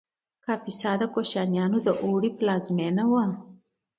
کاپیسا د کوشانیانو د اوړي پلازمینه وه